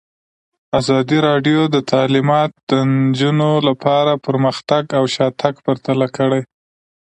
ازادي راډیو د تعلیمات د نجونو لپاره پرمختګ او شاتګ پرتله کړی.